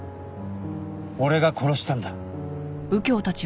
俺が殺したんだ。